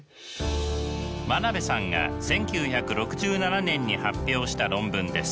真鍋さんが１９６７年に発表した論文です。